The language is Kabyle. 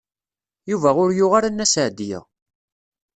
Yuba ur yuɣ ara Nna Seɛdiya.